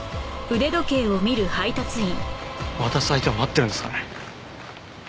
渡す相手を待ってるんですかね？